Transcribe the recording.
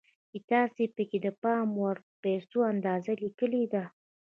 چې تاسې پکې د پام وړ پيسو اندازه ليکلې ده.